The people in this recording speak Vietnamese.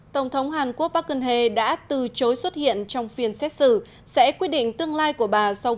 tổng thống hàn quốc park geun hye đã từ chối xuất hiện trong phiên xét xử sẽ quyết định tương lai của bà sau vụ bê bối tham nhũng